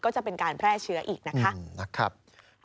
ก็จะเป็นการแพร่เชื้ออีกนะคะนะครับอืม